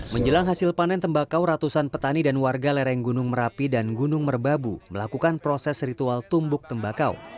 menjelang hasil panen tembakau ratusan petani dan warga lereng gunung merapi dan gunung merbabu melakukan proses ritual tumbuk tembakau